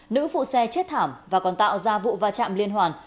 nữ phụ xe chết thảm và còn tạo ra vụ va chạm liên hoàn